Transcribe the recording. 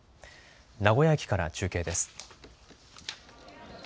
名古屋駅から中継です。